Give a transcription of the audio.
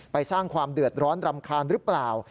สร้างความเดือดร้อนรำคาญหรือเปล่า